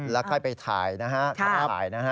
แล้วก็ไปถ่ายนะครับ